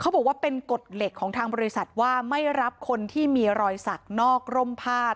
บอกว่าเป็นกฎเหล็กของทางบริษัทว่าไม่รับคนที่มีรอยสักนอกร่มพาด